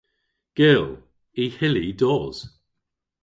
Gyll. Y hyll hi dos.